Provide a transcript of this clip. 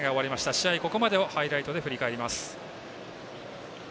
試合、ここまでをハイライトで振り返ります。